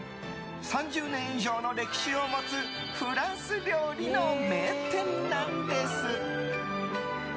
３０年以上の歴史を持つフランス料理の名店なんです。